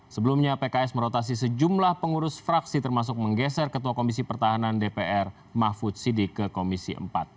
sebelumnya pks merotasi sejumlah pengurus fraksi termasuk menggeser ketua komisi pertahanan dpr mahfud sidik ke komisi empat